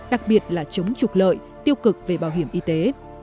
đặc biệt là chống trục lợi tiêu cực về bảo hiểm y tế